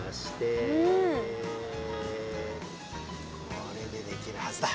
これでできるはずだ。